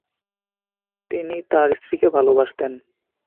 তিনি তার স্ত্রীকে ভালোবাসতেন।